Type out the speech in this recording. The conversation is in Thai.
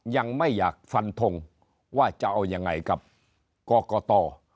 ยังไม่อยากฟันทงว่าจะเอายังไงกับกรกต